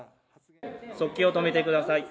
速記を止めてください。